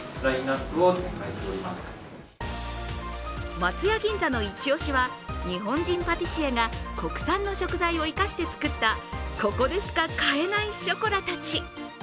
松屋銀座の一押しは日本人パティシエが国産の食材を生かして作ったここでしか買えないショコラたち。